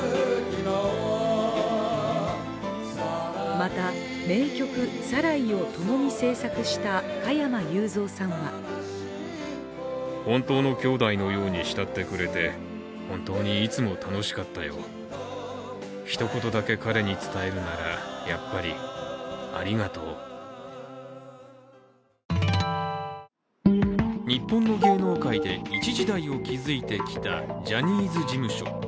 また、名曲「サライ」をともに制作した加山雄三さんは日本の芸能界で一時代を築いてきたジャニーズ事務所。